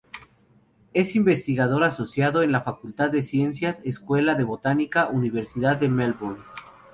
Es investigador asociado en la Facultad de Ciencias, Escuela de Botánica, Universidad de Melbourne.